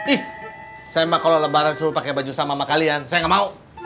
ih saya kalau lebaran suruh pakai baju sama sama kalian saya nggak mau